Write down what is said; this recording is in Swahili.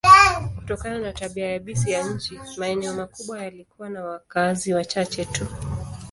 Kutokana na tabia yabisi ya nchi, maeneo makubwa yalikuwa na wakazi wachache tu.